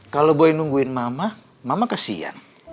kalau gue nungguin mama mama kesian